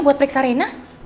buat periksa rena